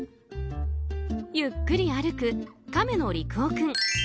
ゆっくり歩くカメのリクオ君。